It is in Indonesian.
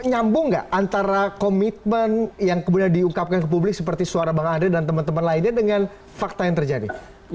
nyambung nggak antara komitmen yang kemudian diukapkan ke publik seperti suara bang andre dan teman teman lainnya dan juga komitmen yang dipercayai